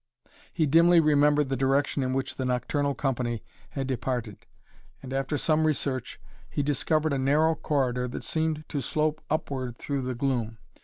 He dimly remembered the direction in which the nocturnal company had departed and, after some research, he discovered a narrow corridor that seemed to slope upward through the gloom.